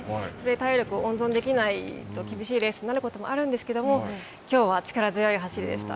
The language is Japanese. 体力を温存できないと、厳しいレースになることもあるんですけども、きょうは力強い走りでした。